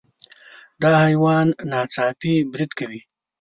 دا حیوان ناڅاپي برید کوي.